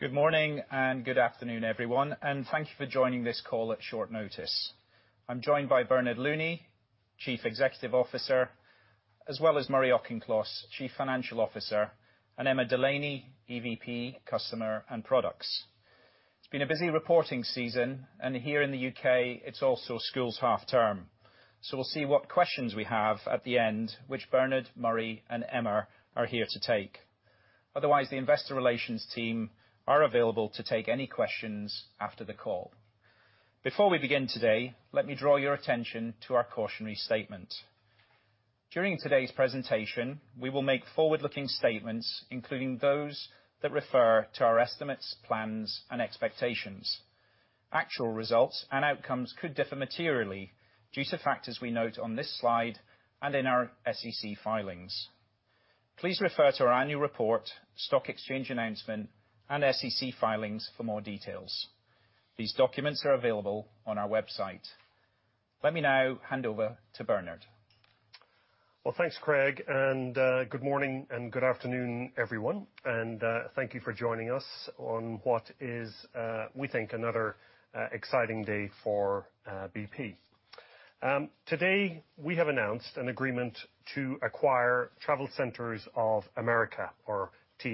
Good morning and good afternoon everyone, and thank you for joining this call at short notice. I'm joined by Bernard Looney, Chief Executive Officer, as well as Murray Auchincloss, Chief Financial Officer, and Emma Delaney, EVP, Customers and Products. It's been a busy reporting season, and here in the U.K., it's also school's half-term. So we'll see what questions we have at the end, which Bernard, Murray, and Emma are here to take. Otherwise, the investor relations team are available to take any questions after the call. Before we begin today, let me draw your attention to our cautionary statement. During today's presentation, we will make forward-looking statements, including those that refer to our estimates, plans, and expectations. Actual results and outcomes could differ materially due to factors we note on this slide and in our SEC filings. Please refer to our annual report, stock exchange announcement, and SEC filings for more details. These documents are available on our website. Let me now hand over to Bernard. Well thanks Craig, good morning and good afternoon everyone, and thank you for joining us on what is, we think, another exciting day for BP. Today, we have announced an agreement to acquire TravelCenters of America, or TA,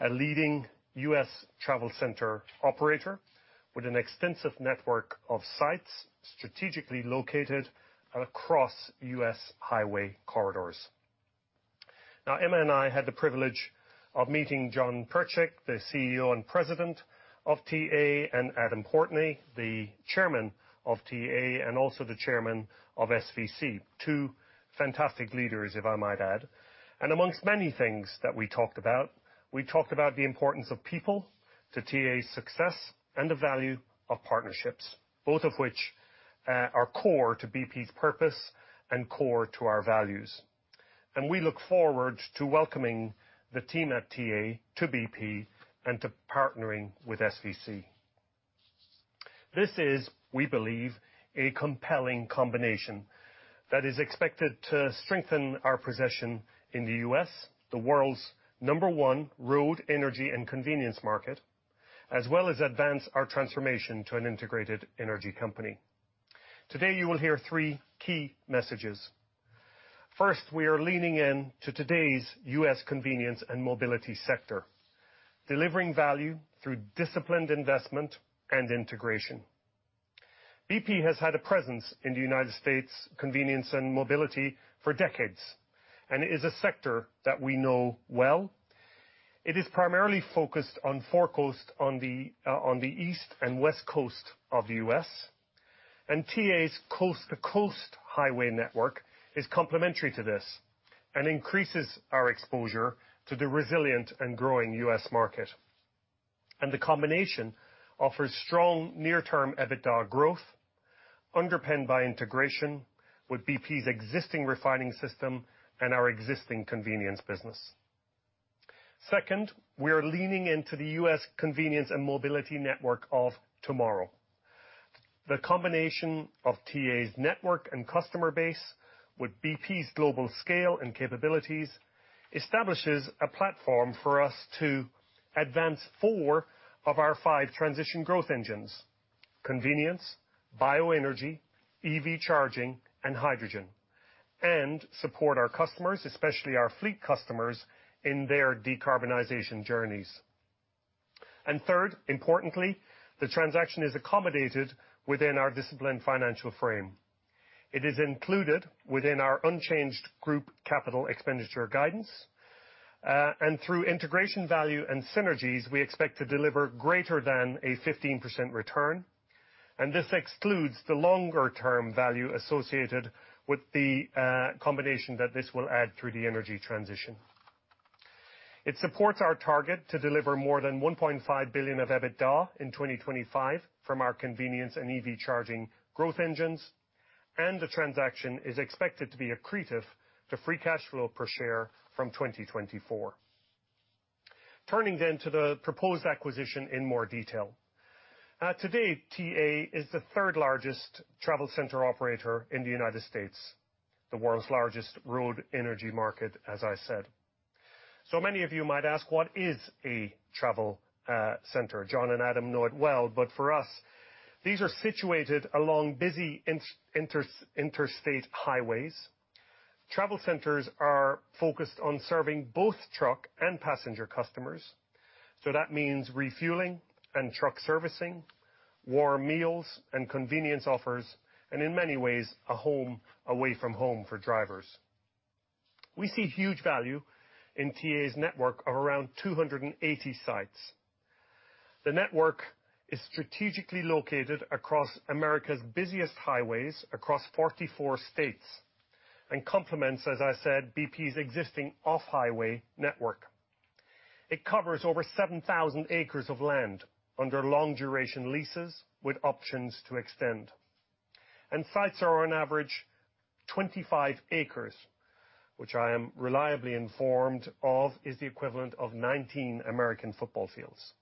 a leading U.S. travel center operator with an extensive network of sites strategically located across U.S. highway corridors. Emma and I had the privilege of meeting Jon Pertchik, the CEO and President of TA, and Adam Portnoy, the Chairman of TA and also the Chairman of SVC. Two fantastic leaders, if I might add, and amongst many things that we talked about, we talked about the importance of people to TA's success and the value of partnerships, both of which are core to BP's purpose and core to our values. We look forward to welcoming the team at TA to BP and to partnering with SVC. This is, we believe, a compelling combination that is expected to strengthen our position in the U.S., the world's number one road energy and convenience market, as well as advance our transformation to an integrated energy company. Today, you will hear three key messages. First, we are leaning in to today's U.S. convenience and mobility sector, delivering value through disciplined investment and integration. BP has had a presence in the United States convenience and mobility for decades and is a sector that we know well. It is primarily focused on four coasts on the East and West Coast of the U.S., and TA's coast-to-coast highway network is complementary to this and increases our exposure to the resilient and growing U.S. market. The combination offers strong near-term EBITDA growth, underpinned by integration with BP's existing refining system and our existing convenience business. Second, we are leaning into the U.S. convenience and mobility network of tomorrow. The combination of TA's network and customer base with BP's global scale and capabilities establishes a platform for us to advance four of our five transition growth engines, convenience, bioenergy, EV charging, and hydrogen, and support our customers, especially our fleet customers, in their decarbonization journeys. Third, importantly, the transaction is accommodated within our disciplined financial frame. It is included within our unchanged group capital expenditure guidance. Through integration value and synergies, we expect to deliver greater than a 15% return, and this excludes the longer-term value associated with the combination that this will add through the energy transition. It supports our target to deliver more than $1.5 billion of EBITDA in 2025 from our convenience and EV charging growth engines, and the transaction is expected to be accretive to free cash flow per share from 2024. Turning to the proposed acquisition in more detail. Today, TA is the third largest travel center operator in the United States, the world's largest road energy market, as I said. Many of you might ask, "What is a travel center?" Jon and Adam know it well, but for us, these are situated along busy interstate highways. Travel centers are focused on serving both truck and passenger customers. That means refueling and truck servicing, warm meals and convenience offers, and in many ways, a home away from home for drivers. We see huge value in TA's network of around 280 sites. The network is strategically located across America's busiest highways across 44 states and complements, as I said, BP's existing off-highway network. It covers over 7,000 acres of land under long-duration leases with options to extend. Sites are on average 25 acres, which I am reliably informed of is the equivalent of 19 American football fields.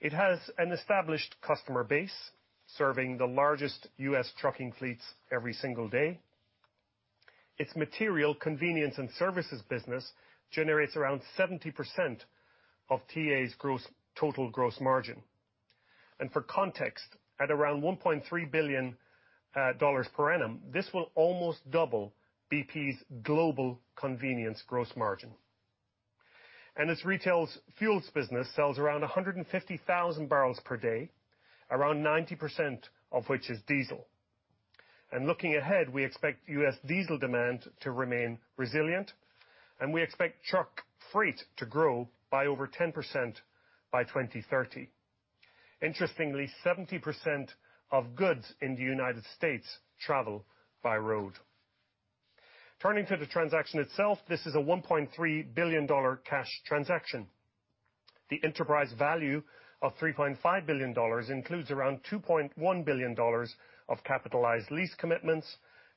It has an established customer base, serving the largest U.S. trucking fleets every single day. Its material convenience and services business generates around 70% of TA's total gross margin. For context, at around $1.3 billion per annum, this will almost double BP's global convenience gross margin. Its retails fuels business sells around 150,000 barrels per day, around 90% of which is diesel. Looking ahead, we expect U.S. diesel demand to remain resilient, and we expect truck freight to grow by over 10% by 2030. Interestingly, 70% of goods in the United States travel by road. Turning to the transaction itself, this is a $1.3 billion cash transaction. The enterprise value of $3.5 billion includes around $2.1 billion of capitalized lease commitments,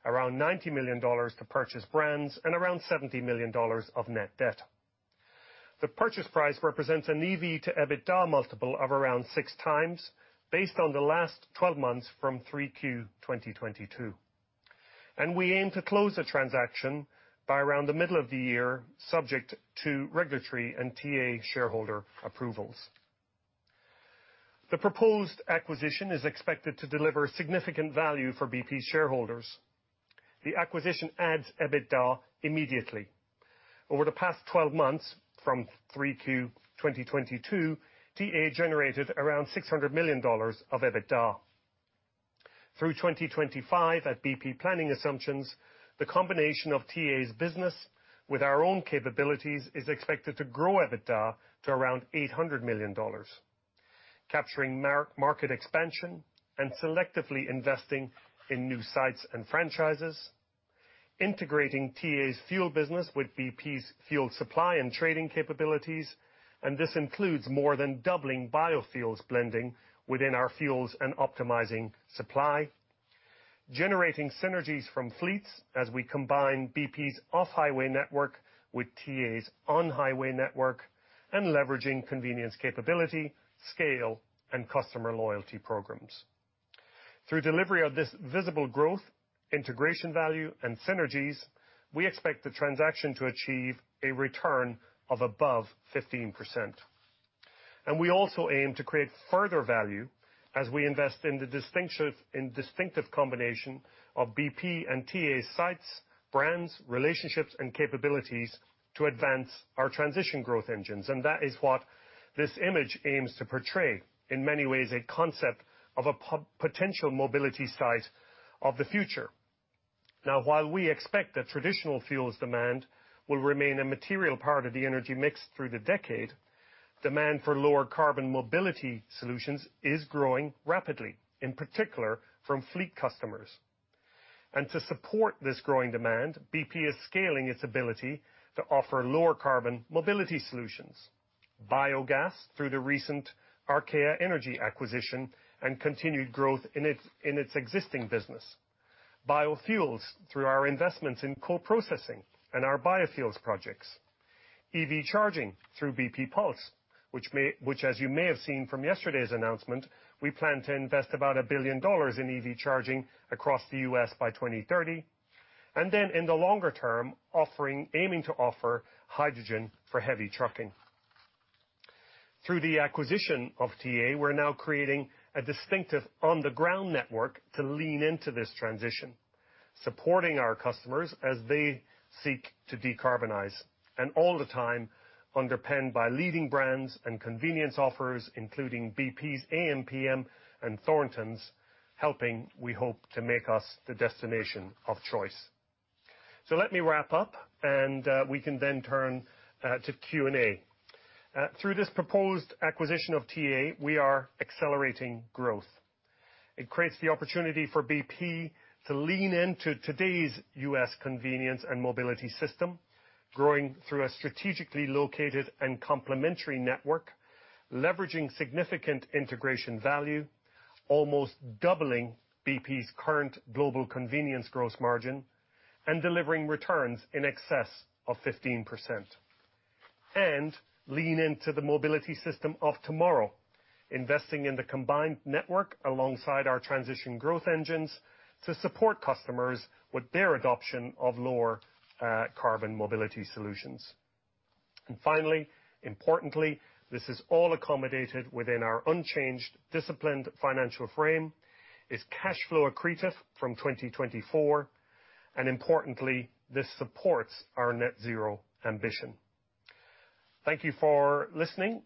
around $90 million to purchase brands, and around $70 million of net debt. The purchase price represents an EV to EBITDA multiple of around 6x based on the last 12 months from Q3 2022. We aim to close the transaction by around the middle of the year, subject to regulatory and TA shareholder approvals. The proposed acquisition is expected to deliver significant value for BP shareholders. The acquisition adds EBITDA immediately. Over the past 12 months, from Q3 2022, TA generated around $600 million of EBITDA. Through 2025 at BP planning assumptions, the combination of TA's business with our own capabilities is expected to grow EBITDA to around $800 million, capturing market expansion and selectively investing in new sites and franchises, integrating TA's fuel business with BP's fuel supply and trading capabilities, and this includes more than doubling biofuels blending within our fuels and optimizing supply, generating synergies from fleets as we combine BP's off-highway network with TA's on-highway network, and leveraging convenience capability, scale, and customer loyalty programs. Through delivery of this visible growth, integration value, and synergies, we expect the transaction to achieve a return of above 15%. We also aim to create further value as we invest in the distinctive combination of BP and TA sites, brands, relationships, and capabilities to advance our transition growth engines. That is what this image aims to portray, in many ways, a concept of a potential mobility site of the future. Now, while we expect that traditional fuels demand will remain a material part of the energy mix through the decade, demand for lower carbon mobility solutions is growing rapidly, in particular from fleet customers. To support this growing demand, BP is scaling its ability to offer lower carbon mobility solutions. Biogas through the recent Archaea Energy acquisition and continued growth in its existing business. Biofuels through our investments in co-processing and our biofuels projects. EV charging through bp pulse, which, as you may have seen from yesterday's announcement, we plan to invest about $1 billion in EV charging across the U.S. by 2030. In the longer term, aiming to offer hydrogen for heavy trucking. Through the acquisition of TA, we're now creating a distinctive on-the-ground network to lean into this transition, supporting our customers as they seek to decarbonize, and all the time underpinned by leading brands and convenience offers, including BP's ampm and Thorntons, helping, we hope, to make us the destination of choice. Let me wrap up and we can then turn to Q&A. Through this proposed acquisition of TA, we are accelerating growth. It creates the opportunity for BP to lean into today's U.S. convenience and mobility system, growing through a strategically located and complementary network, leveraging significant integration value, almost doubling BP's current global convenience gross margin, and delivering returns in excess of 15%. Lean into the mobility system of tomorrow, investing in the combined network alongside our transition growth engines to support customers with their adoption of lower carbon mobility solutions. Finally, importantly, this is all accommodated within our unchanged disciplined financial frame, is cash flow accretive from 2024, and importantly, this supports our net zero ambition. Thank you for listening.